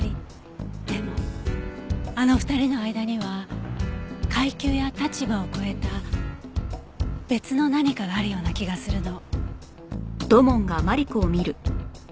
でもあの２人の間には階級や立場を超えた別の何かがあるような気がするの。